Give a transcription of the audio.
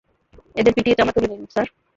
এদের পিটিয়ে চামড়া তুলে নিন, স্যার।